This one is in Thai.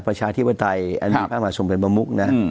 ประชาธิบดัยอันนี้ภาคหมาสมเป็นบมุกนะ